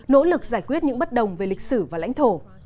nỗ lực giải quyết những bất đồng về lịch sử và lãnh thổ